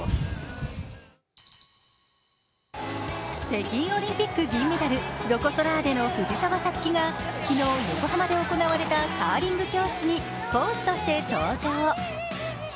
北京オリンピック銀メダルロコ・ソラーレの藤澤五月が昨日横浜で行われたカーリング教室に講師として登場。